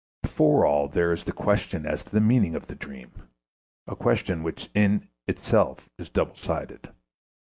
Before all there is the question as to the meaning of the dream, a question which is in itself double sided.